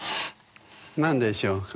何でしょうか？